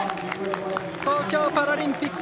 東京パラリンピック